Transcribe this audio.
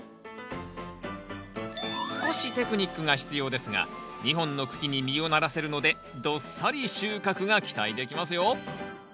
少しテクニックが必要ですが２本の茎に実をならせるのでどっさり収穫が期待できますよ！